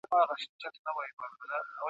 یکه زار نارې یې اورم په کونړ کي جاله وان دی ,